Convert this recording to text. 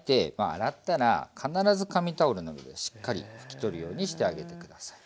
洗ったら必ず紙タオルなどでしっかり拭き取るようにしてあげて下さい。